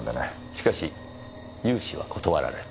しかし融資は断られた。